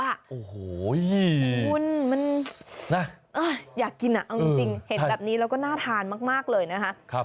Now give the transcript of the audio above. โอ้โหคุณมันอยากกินเอาจริงเห็นแบบนี้แล้วก็น่าทานมากเลยนะคะ